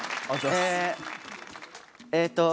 ええっと。